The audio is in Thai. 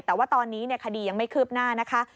แต่ว่าตอนนี้คดียังไม่คืบหน้านะคะ